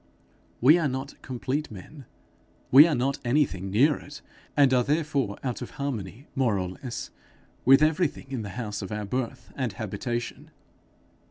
We are not complete men, we are not anything near it, and are therefore out of harmony, more or less, with everything in the house of our birth and habitation.